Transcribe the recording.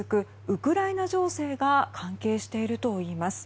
ウクライナ情勢が関係しているといいます。